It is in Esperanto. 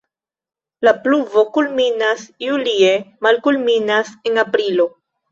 La pluvo kulminas julie, malkulminas en aprilo.